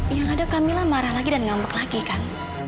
yang ada kamila marah lagi dan ngambek lagi kan